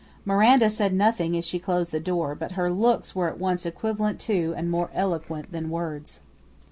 Miranda said nothing as she closed the door, but her looks were at once equivalent to and more eloquent than words.